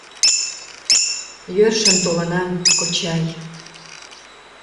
— Йӧршын толынам, кочай.